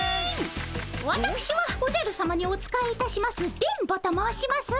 わたくしはおじゃるさまにお仕えいたします電ボと申しますが。